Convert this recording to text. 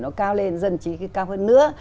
nó cao lên dân chí cao hơn nữa